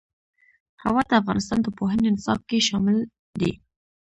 هوا د افغانستان د پوهنې نصاب کې شامل دي.